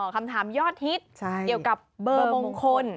คำถามยอดฮิตเกี่ยวกับเบอร์มงคล